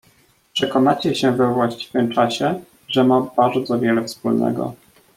"Przekonacie się we właściwym czasie, że ma bardzo wiele wspólnego."